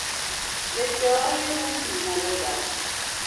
ادعای او بی مورد است.